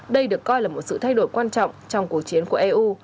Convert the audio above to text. đây được coi là một sự thay đổi quan trọng trong cuộc chiến của eu